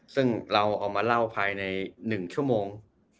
ซึ่งเราเอามาเล่าภายใน๑ชั่วโมง